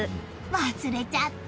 忘れちゃった！